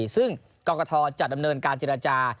ซึ่งกองกะทอจัดดำเนินการจินาจา